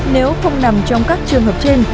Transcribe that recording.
nếu không nằm trong các trường hợp trên